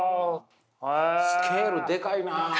スケールでかいな。